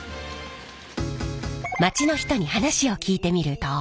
街の人に話を聞いてみると。